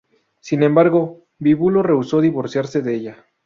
Sin embargo, Bíbulo rehusó divorciarse de ella.